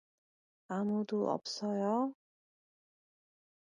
아무도 없어요?